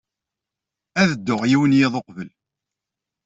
Ad dduɣ yiwen n yiḍ uqbel.